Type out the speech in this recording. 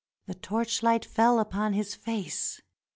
The torchlight fell upon his face.